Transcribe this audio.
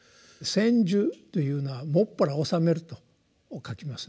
「専修」というのは「専ら」「修める」と書きますね。